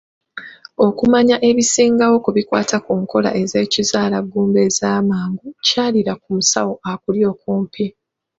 Okumanya ebisingawo ku bikwata ku nkola z'ekizaalaggumba ez'amangu, kyalira ku musawo akuli okumpi.